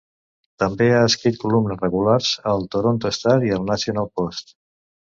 També ha escrit columnes regulars al "Toronto Star" i "National Post".